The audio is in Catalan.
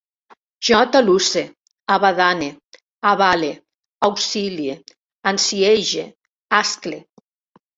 Jo atalusse, abadane, avale, auxilie, ansiege, ascle